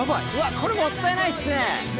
これもったいないですね。